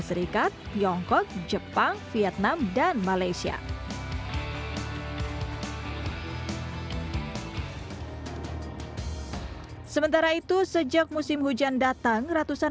serikat tiongkok jepang vietnam dan malaysia sementara itu sejak musim hujan datang ratusan